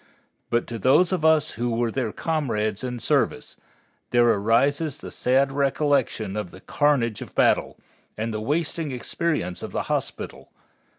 But to those of us who were their comrades in service, there arises the sad recollection of the carnage of battle and the wasting experience of the hospital.